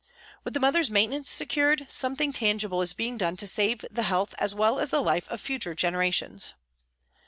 With the mother's maintenance secured, something tangible is being done to save the health as well as the life of future generations.